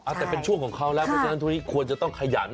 แต่เป็นช่วงของเขาแล้วเพราะฉะนั้นช่วงนี้ควรจะต้องขยัน